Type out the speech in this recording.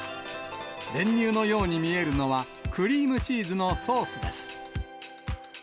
練乳のように見えるのは、クリームチーズのソースです。